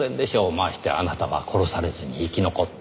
ましてあなたは殺されずに生き残った。